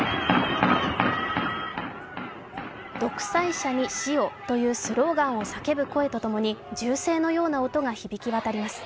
「独裁者に死を」というスローガンを叫ぶ声と共に銃声のような音が響きわたります。